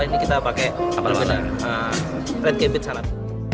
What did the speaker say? ini kita pakai red capit salad